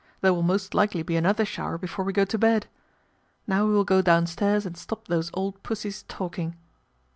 There will most likely be another shower before we go to bed. Now we will go downstairs and stop those old pussies talking."